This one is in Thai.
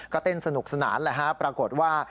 ก็เต้นสนุกสนานแหละฮะปรากฏว่า